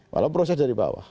kalau proses dari bawah